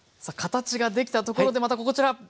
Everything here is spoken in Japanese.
さあ形ができたところでまたこちら。